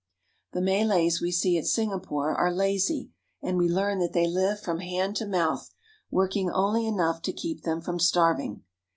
The Malays we see at Singapore are lazy, and we learn that they live from hand to mouth, working only enough to keep them from starving.